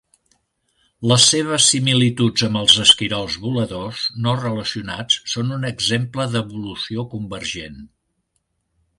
Les seves similituds amb els esquirols voladors no relacionats són un exemple d'evolució convergent.